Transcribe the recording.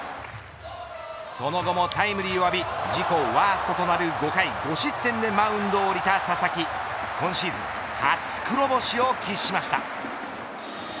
その後もタイムリーを浴び自己ワーストとなる５回５失点でマウンドを降りた佐々木今シーズン初黒星を喫しました。